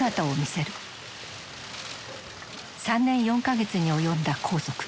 ３年４か月に及んだ拘束。